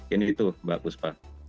ini tuh mbak kuspa